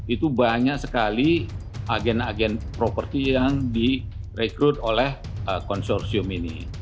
itu banyak sekali agen agen properti yang direkrut oleh konsorsium ini